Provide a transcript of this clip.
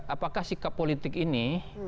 apakah sikap politik ini